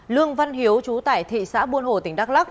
lương văn hiếu chú tải thị xã buôn hồ tỉnh đắk lạc